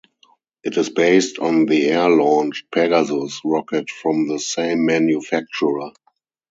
It is based on the air-launched Pegasus rocket from the same manufacturer.